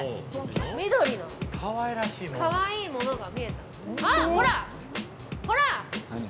緑の、かわいいものがみえたほらっ！